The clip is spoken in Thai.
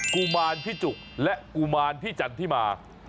กุมารพี่จุกและกุมารพี่จันทิมา